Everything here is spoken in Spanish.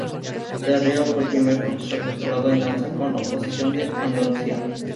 Del Río fue el primer profesor titulado en Danza con oposición de Andalucía.